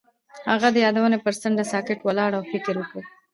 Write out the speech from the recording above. هغه د یادونه پر څنډه ساکت ولاړ او فکر وکړ.